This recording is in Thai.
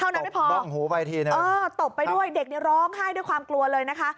เท่านั้นไม่พอตบไปด้วยเด็กนี่ร้องไห้ด้วยความกลัวเลยนะคะ